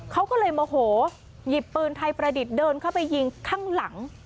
เขาก็เลยโมโหหยิบปืนไทยประดิษฐ์เดินเข้าไปยิงข้างหลัง